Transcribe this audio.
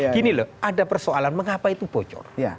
gini loh ada persoalan mengapa itu bocor